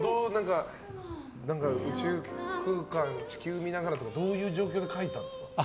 宇宙空間、地球見ながらとかどういう状況で書いたんですか？